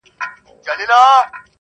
• پر زړه هر گړی را اوري ستا یادونه -